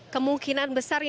kemungkinan besar ini